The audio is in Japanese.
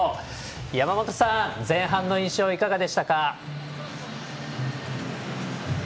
山本さん、前半の印象はいかがでしたか。